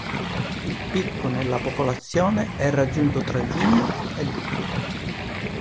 Il picco nella popolazione è raggiunto tra giugno e luglio.